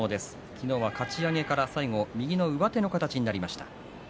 昨日は、かち上げから右の上手の形になりました。